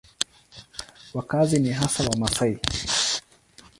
Wakazi ni hasa Wamasai.